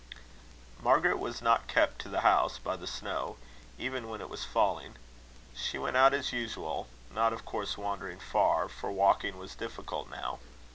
Margaret was not kept to the house by the snow, even when it was falling. She went out as usual not of course wandering far, for walking was difficult now.